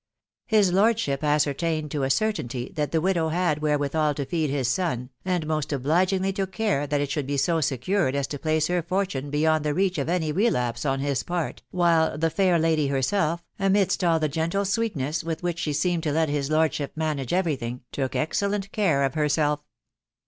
His lordaiiip aaeertained to a certainty that the widow had wlieauwithal to feed his boo, and meat ^rtiBgingly took case that it ihowld be ao" secured as to place her fortune beyond the reach ftf awy relapse 4*1 hk part, while the fair lady herself, amidst all the gentle aweetneaa with winch «he seemed to let his lord. atrip manage every thing, took excellent case of herself.